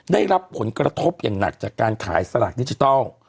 ได้รับผลกระทบอย่างหนักจากการขายสลากดิจิทัล